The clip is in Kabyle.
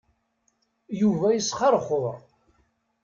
Yuba yesxeṛxuṛ.